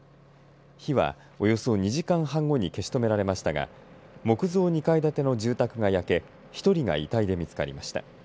火は、およそ２時間半後に消し止められましたが木造２階建ての住宅が焼け１人が遺体で見つかりました。